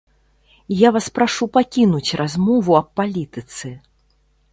Я вас прашу пакінуць размову аб палітыцы!